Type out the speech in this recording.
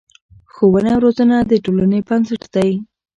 ښوونه او روزنه د ټولنې بنسټ دی.